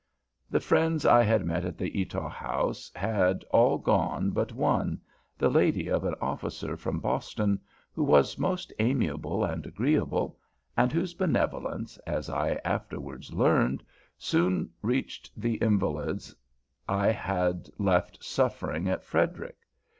The friends I had met at the Eutaw House had all gone but one, the lady of an officer from Boston, who was most amiable and agreeable, and whose benevolence, as I afterwards learned, soon reached the invalids I had left suffering at Frederick.